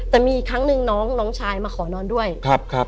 แต่มีครั้งหนึ่งน้องน้องชายมาขอนอนด้วยครับ